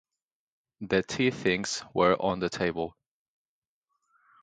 The tea-things were on the table.